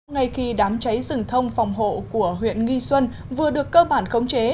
ngay khi đám cháy rừng thông phòng hộ của huyện nghi xuân vừa được cơ bản khống chế